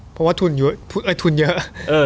เพราะว่าทุนเยอะทุนเยอะ